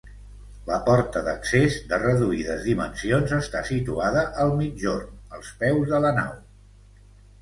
La porta d'accés, de reduïdes dimensions, està situada al migjorn, als peus de la nau.